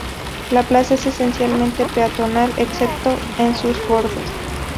La plaza es esencialmente peatonal, excepto en sus bordes.